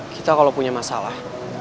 kita kalo punya masalah